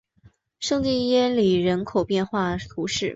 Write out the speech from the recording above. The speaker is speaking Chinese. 圣蒂耶里人口变化图示